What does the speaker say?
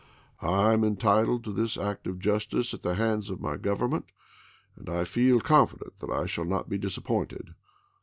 I am entitled to this act of justice at the hands of my Government, and I feel confident that I shall not be disappointed.